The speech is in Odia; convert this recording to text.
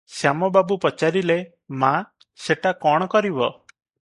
ଶ୍ୟାମବାବୁ ପଚାରିଲେ- ମା, ସେଟା କଣ କରିବ?"